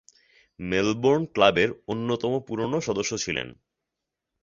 Melbourne ক্লাবের অন্যতম পুরনো সদস্য ছিলেন।